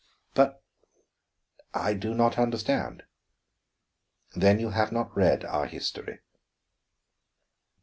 "But I do not understand." "Then you have not read our history."